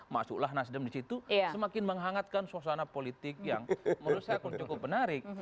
maksudlah nasdem disitu semakin menghangatkan suasana politik yang menurut saya cukup menarik